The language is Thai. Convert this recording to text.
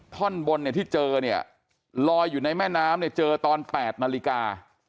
ท่อนบนเนี่ยที่เจอเนี่ยลอยอยู่ในแม่น้ำเนี่ยเจอตอน๘นาฬิกา